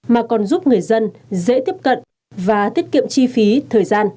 mà còn giúp người dân dễ tiếp cận và tiết kiệm chi phí thời gian